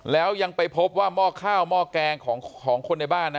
แล้วยังไปพบว่าหม้อข้าวหม้อแกงของคนในบ้านนะ